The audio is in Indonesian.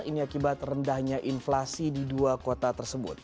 ini akibat rendahnya inflasi di dua kota tersebut